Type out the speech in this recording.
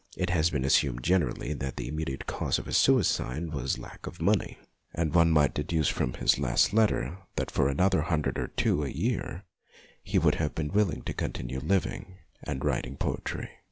It has been assumed generally that the immediate cause of his suicide was lack of money, and one might deduce from his last letter that for another hundred or two a year he would have been willing to con tinue living and writing poetry.